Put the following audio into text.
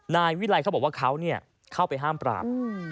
นายวิไลเขาบอกว่าเขาเข้าไปห้ามปราม